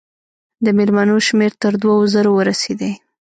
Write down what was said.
د مېلمنو شمېر تر دوو زرو ورسېدی.